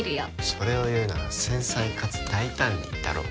それを言うなら繊細かつ大胆にだろ。